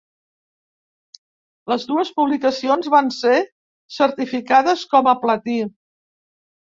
Les dues publicacions van ser certificades com a platí.